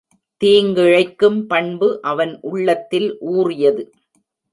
தீங்கிழைக்கும் பண்பு அவன் உள்ளத்தில் ஊறியது.